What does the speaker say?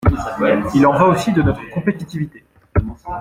Il en va aussi de notre compétitivité.